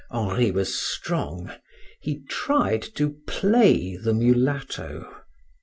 Henri was strong; he tried to play the mulatto.